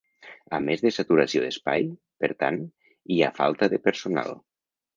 A més de saturació d’espai, per tant, hi ha falta de personal.